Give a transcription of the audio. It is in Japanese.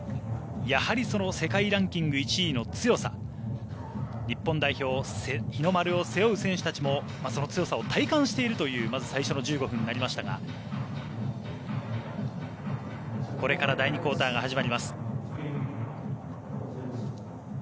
やはりその世界ランキング１位の強さ日本代表日の丸を背負う選手たちもその強さを体感しているという最初の１５分になりましたがこれから第２クオーターが始まります。